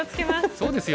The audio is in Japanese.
そうですよ。